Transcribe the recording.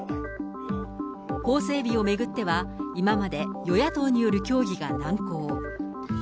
法整備を巡っては、今まで与野党による協議が難航。